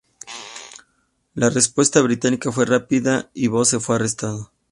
La respuesta británica fue rápida y Bose fue arrestado.